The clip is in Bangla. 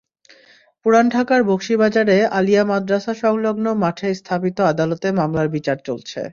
পুরান ঢাকার বকশীবাজারে আলিয়া মাদ্রাসাসংলগ্ন মাঠে স্থাপিত আদালতে মামলার বিচার চলছে।